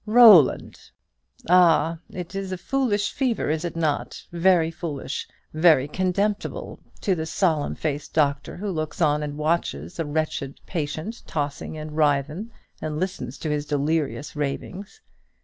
"Roland!" "Ah! it is a foolish fever, is it not? very foolish, very contemptible to the solemn faced doctor who looks on and watches the wretched patient tossing and writhing, and listens to his delirious ravings.